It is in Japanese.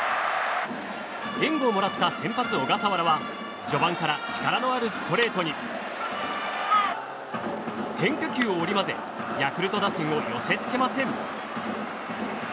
援護をもらった先発、小笠原は序盤から力のあるストレートに変化球を織り交ぜヤクルト打線を寄せ付けません。